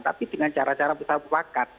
tapi dengan cara cara bersatu wakat